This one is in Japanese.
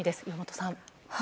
岩本さん。